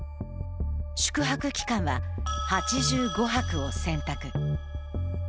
宿泊期間は８５泊を選択。